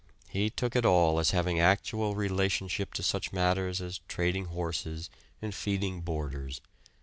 He took it all as having actual relationship to such matters as trading horses and feeding boarders.